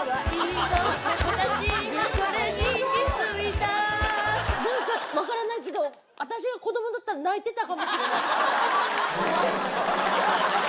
なんか分からないけど、私が子どもだったら、泣いてたかもしれない。